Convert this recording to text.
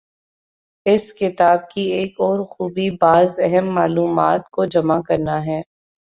اس کتاب کی ایک اور خوبی بعض اہم معلومات کو جمع کرنا ہے۔